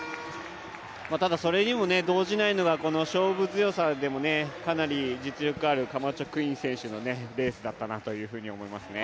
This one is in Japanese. ただ、それにも動じないのが、勝負強さでもかなり実力あるカマチョ・クイン選手のレースだったなと思いますね。